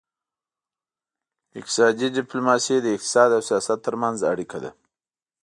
اقتصادي ډیپلوماسي د اقتصاد او سیاست ترمنځ اړیکه ده